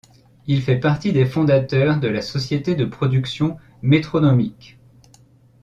Il fait partie des fondateurs de la société de production Metronomic.